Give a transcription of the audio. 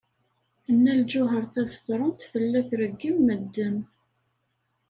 Nna Lǧuheṛ Tabetṛunt tella treggem medden.